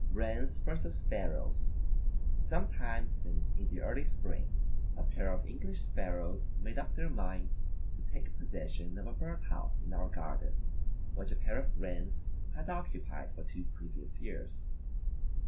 Wrens versus Sparrows: Some time since in the early spring, a pair of English Sparrows made up their minds to take possession of a bird house in our garden which a pair of Wrens had occupied for two previous years.